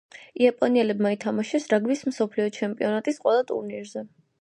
იაპონელებმა ითამაშეს რაგბის მსოფლიო ჩემპიონატის ყველა ტურნირზე.